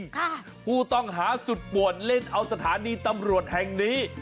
ค่ะผู้ต้องหาสุดป่วนเล่นเอาสถานีตำรวจแห่งนี้